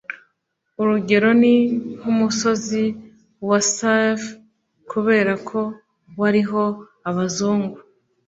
Urugero ni nk umusozi wa save kubera ko wariho abazungu